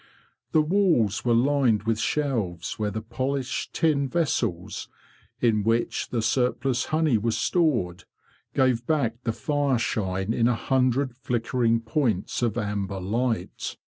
The walls were lined with shelves where the polished tin vessels, in which the surplus honey was stored, gave back the fire shine in a hundred flickering points of amber light.